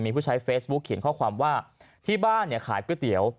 มีผู้ใช้เฟซบุ๊กเขียนข้อความว่าที่บ้านเนี่ยขายก๋วยเตี๋ยว